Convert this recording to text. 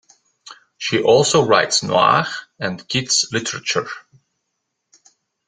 She also writes noir and kids literature.